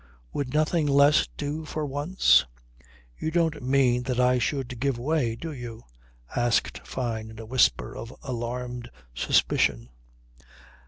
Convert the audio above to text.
"Would nothing less do for once?" "You don't mean that I should give way do you?" asked Fyne in a whisper of alarmed suspicion.